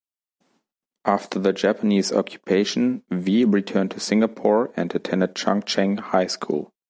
After the Japanese Occupation, Wee returned to Singapore and attended Chung Cheng High School.